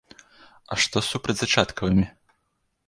А што з супрацьзачаткавымі?